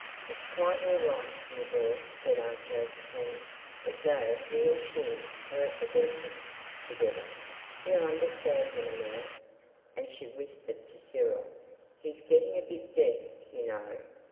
"It's quite all right, dear boy," said Aunt Josephine, as though he and she were at the dentist's together. "He'll understand in a minute." And she whispered to Cyril, "He's getting a bit deaf, you know."